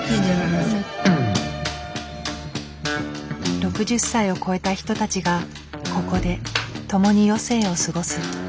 ６０歳を越えた人たちがここで共に余生を過ごす。